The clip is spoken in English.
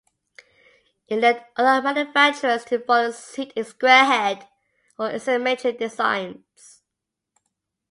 It led other manufacturers to follow suit in "square-head" or isometric designs.